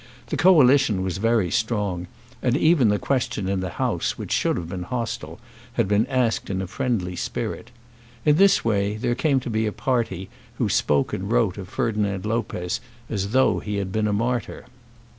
The Coalition was very strong; and even the question in the House, which should have been hostile, had been asked in a friendly spirit. In this way there came to be a party who spoke and wrote of Ferdinand Lopez as though he had been a martyr.